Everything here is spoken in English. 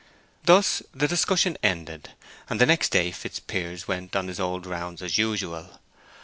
Thus the discussion ended, and the next day Fitzpiers went on his old rounds as usual.